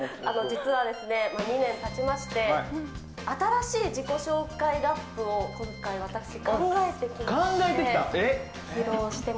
実は２年たちまして、新しい自己紹介ラップを今回私、考えてきまして。